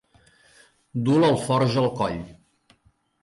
Dur l'alforja al coll.